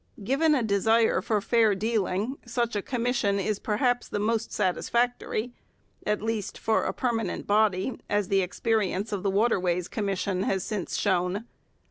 Given a desire for fair dealing, such a commission is perhaps most satisfactory, at least for a permanent body, as the experience of the Waterways Commission has since shown.